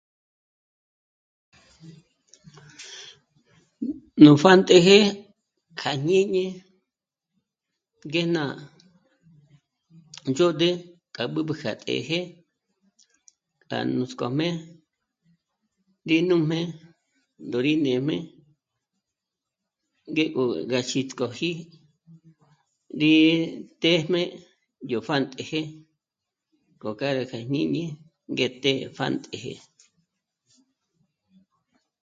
Nú pjántëjë kja jñíñi ngéjná ndzhôd'ü kja b'ǚb'ü kja të́jë k'a nuts'k'ojmé rí nújmé ndó rí nê'm'e ngék'o gá xíts'k'oji rí téjmé yó pjántëjë k'o kjâra kjá jñíñi ngé té pjántëjë